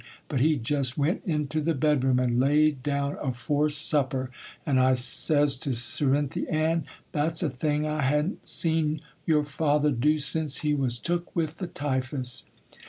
But he jest went into the bedroom and laid down afore supper; and I says to Cerinthy Ann, "That's a thing I ha'n't seen your father do since he was took with the typhus."